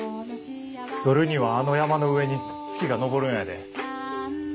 夜にはあの山の上に月が昇るんやで。